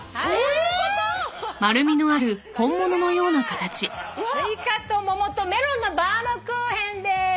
こちらがすいかと桃とメロンのバウムクーヘンです。